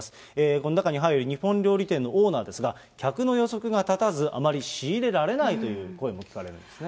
この中に入る日本料理店のオーナーですが、客の予測が立たず、あまり仕入れられないという声も聞かれますね。